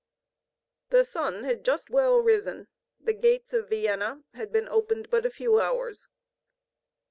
The sun had just well risen, the gates of Vienna had been opened but a few hours.